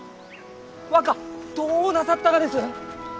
若どうなさったがです！？